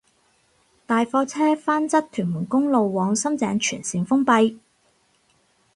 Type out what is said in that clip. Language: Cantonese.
大貨車翻側屯門公路往深井全綫封閉